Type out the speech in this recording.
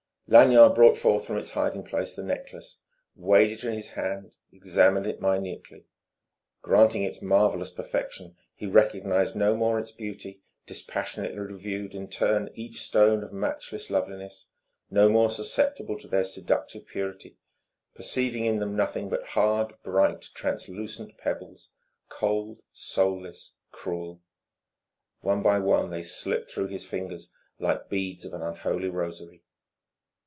Lanyard brought forth from its hiding place the necklace, weighed it in his hand, examined it minutely. Granting its marvellous perfection, he recognized no more its beauty, dispassionately reviewed in turn each stone of matchless loveliness, no more susceptible to their seductive purity, perceiving in them nothing but hard, bright, translucent pebbles, cold, soulless, cruel. One by one they slipped through his fingers like beads of an unholy rosary.